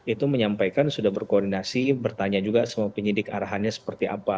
itu menyampaikan sudah berkoordinasi bertanya juga sama penyidik arahannya seperti apa